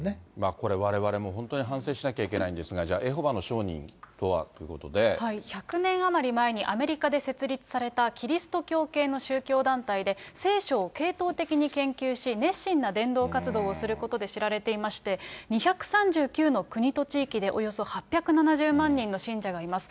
これ、われわれも本当に反省しなきゃいけないんですが、エホ１００年余り前に、アメリカで設立された、キリスト教系の宗教団体で、聖書を系統的に研究し、熱心な伝道活動をすることで知られていまして、２３９の国と地域で、およそ８７０万人の信者がいます。